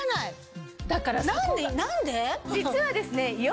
実はですねＩＯ